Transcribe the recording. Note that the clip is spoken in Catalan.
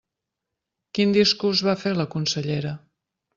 Quin discurs va fer la consellera?